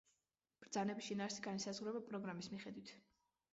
ბრძანების შინაარსი განისაზღვრება პროგრამის მიხედვით.